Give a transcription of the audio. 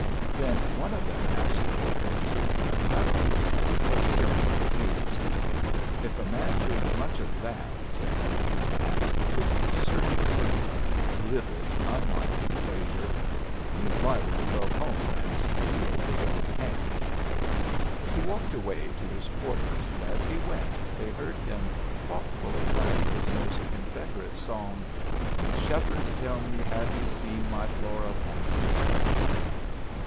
Then one of them asked the corporal to have another. But Jones refused. "If a man drinks much of that," said he (and the whiskey certainly was of a livid, unlikely flavor), "he's liable to go home and steal his own pants." He walked away to his quarters, and as he went they heard him thoughtfully humming his most inveterate song, "Ye shepherds tell me have you seen my Flora pass this way."